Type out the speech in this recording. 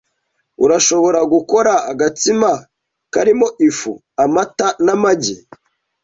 Urashobora gukora agatsima karimo ifu, amata n'amagi.